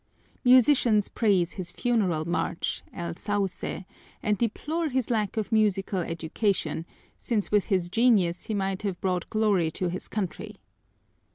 Musicians praise his funeral march, "El Sauce," and deplore his lack of musical education, since with his genius he might have brought glory to his country.